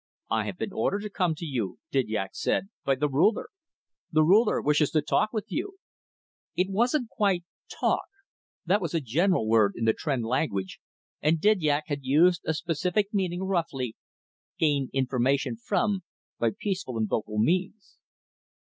"I have been ordered to come to you," Didyak said, "by the Ruler. The Ruler wishes to talk with you." It wasn't quite "talk"; that was a general word in the Tr'en language, and Didyak had used a specific meaning, roughly: "gain information from, by peaceful and vocal means."